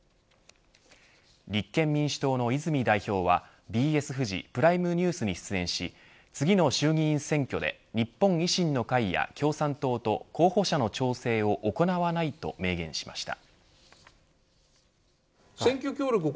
立憲民主党の泉代表はＢＳフジ、プライムニュースに出演し次の衆議院選挙で日本維新の会や共産党と候補者の調整を行わないと明言しました。